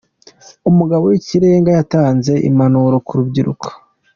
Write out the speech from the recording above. umugaba w'ikirenga yatanze impanuro kurubyiruko.